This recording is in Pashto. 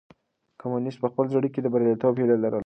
کمونيسټ په خپل زړه کې د برياليتوب هيله لرله.